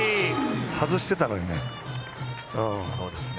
外してたのにね。